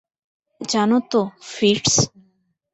জানো তো, ফিটজ?